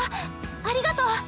ありがとう！